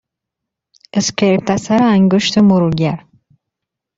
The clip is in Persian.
اسکریپت اثرانگشت مرورگر